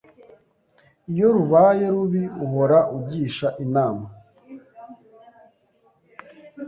Iyo rubaye rubi uhora ugisha inama